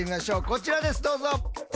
こちらですどうぞ！